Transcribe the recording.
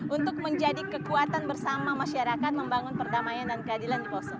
untuk menjadi kekuatan bersama masyarakat membangun perdamaian dan keadilan di poso